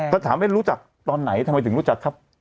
ก็ถามว่ารู้จักตอนไหนทำไมถึงรู้จักครับ